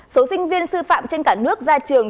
số sinh viên sư phạm trên cả nước ra trường